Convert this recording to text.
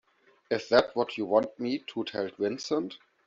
Is that what you want me to tell Vincent?